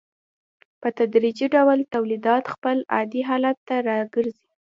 په تدریجي ډول تولیدات خپل عادي حالت ته راګرځي